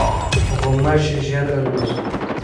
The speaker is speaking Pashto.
غوماشې ژر الوزي.